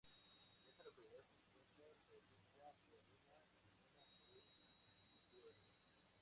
En esta localidad se encuentra fábrica de harina "Harinera del Pisuerga".